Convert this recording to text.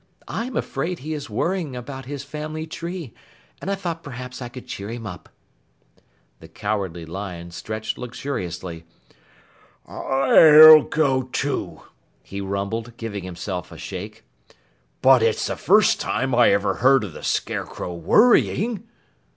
I am afraid he is worrying about his family tree, and I thought p'raps I could cheer him up." The Cowardly Lion stretched luxuriously. "I'll go too," he rumbled, giving himself a shake. "But it's the first time I ever heard of the Scarecrow worrying."